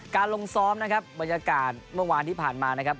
ลงซ้อมนะครับบรรยากาศเมื่อวานที่ผ่านมานะครับ